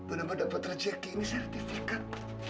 udah mendapatkan jeky ini sertifikat